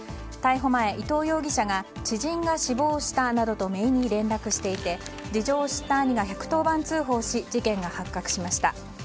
逮捕前、伊藤容疑者が知人が死亡したなどとめいに連絡していて事情を知った兄が１１０番通報し事件が発覚しました。